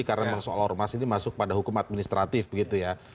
karena soal ormas ini masuk pada hukum administratif begitu ya